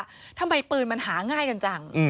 ทำไมปืนมันหาง่ายกันจัง